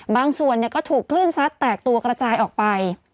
บางส่วนก็ถูกคลื่นซัดแตกตัวกระจายออกไป